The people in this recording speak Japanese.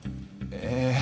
ええ？